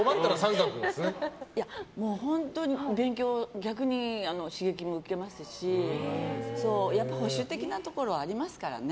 本当に逆に刺激受けますし保守的なところはありますからね。